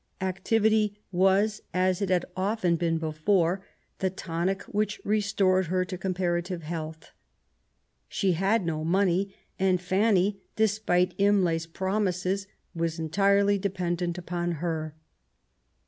Activity was, as it had often been before, the tonit; which restored her to comparative health. She had no money, and Fanny, despite Imlay's promises, was entirely dependent upon her.